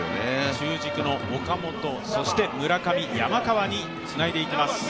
中軸の岡本、そして村上山川につないでいきます。